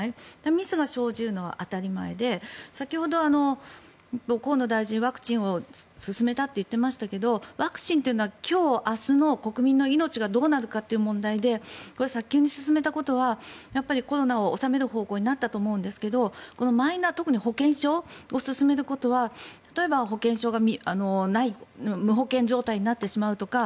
ミスが生じるのは当たり前で先ほど、河野大臣ワクチンを進めたと言っていましたがワクチンっていうのは今日明日の国民の命がどうなるのかという問題で早急に進めたことはコロナを収める方向になったと思うんですが特にマイナ保険証を進めることは例えば保険証がなくて無保険状態になってしまうとか